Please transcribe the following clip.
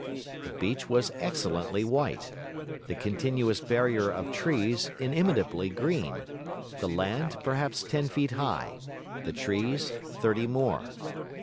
The beach was excellently white, the continuous barrier of trees inimitably green; the land perhaps ten feet high, the trees thirty more.